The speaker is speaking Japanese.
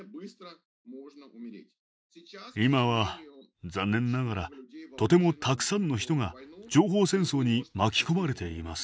今は残念ながらとてもたくさんの人が情報戦争に巻き込まれています。